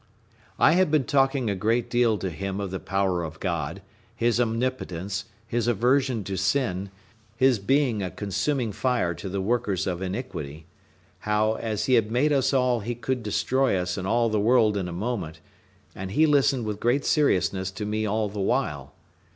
I had been talking a great deal to him of the power of God, His omnipotence, His aversion to sin, His being a consuming fire to the workers of iniquity; how, as He had made us all, He could destroy us and all the world in a moment; and he listened with great seriousness to me all the while.